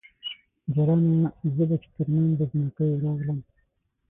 جلانه ! زه به چې ترمنځ د جنکیو راغلم